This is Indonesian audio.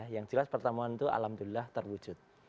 yang jelas pertemuan itu alhamdulillah terwujud